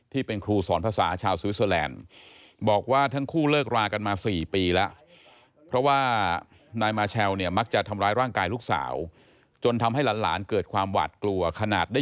ที่เป็นครูสอนภาษาชาวสวิสเซอร์แลนด์